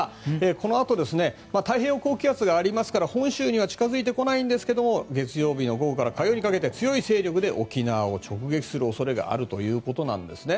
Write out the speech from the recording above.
このあと太平洋高気圧がありますから本州には近付いてこないんですけども月曜日の午後から火曜にかけて強い勢力で沖縄を直撃する恐れがあるということなんですね。